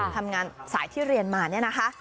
ทำงานสายที่เรียนมาเนี่ยนะคะ